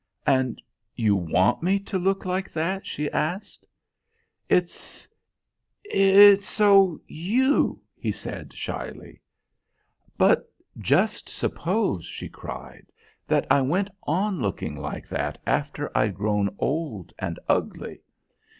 "And you want me to look like that?" she asked. "It's it's so you," he said shyly. "But, just suppose," she cried, "that I went on looking like that after I'd grown old and ugly.